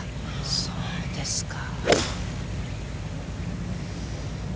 そうですか。